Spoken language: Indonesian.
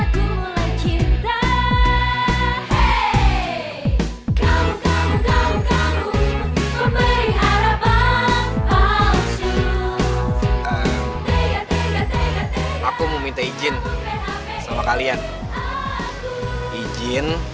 dinda mau disini